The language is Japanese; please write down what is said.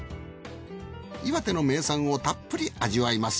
岩手の名産をたっぷり味わいます。